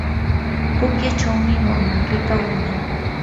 pukyuchawmi wamanripa winan.